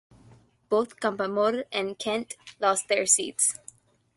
Both Campoamor and Kent lost their seats.